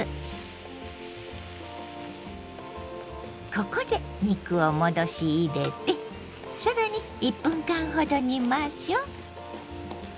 ここで肉を戻し入れて更に１分間ほど煮ましょう。